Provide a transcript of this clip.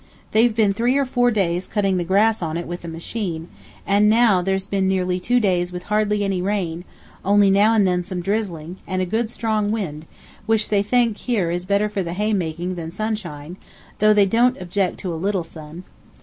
They've been three or four days cutting the grass on it with a machine, and now there's been nearly two days with hardly any rain, only now and then some drizzling, and a good, strong wind, which they think here is better for the hay making than sunshine, though they don't object to a little sun.